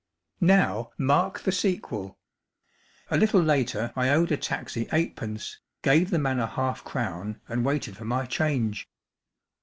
11 Now mark the sequel, A little later I owed a taxi eightpence, gave the man a half crown and waited for my change.